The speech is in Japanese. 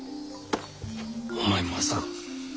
お前まさか。